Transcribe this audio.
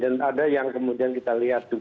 dan ada yang kemudian kita lihat juga peluang